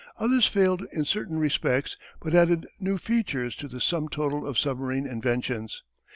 Others failed in certain respects but added new features to the sum total of submarine inventions.